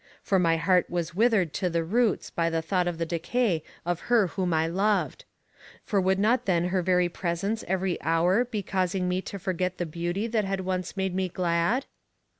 For my heart was withered to the roots by the thought of the decay of her whom I had loved; for would not then her very presence every hour be causing me to forget the beauty that had once made me glad?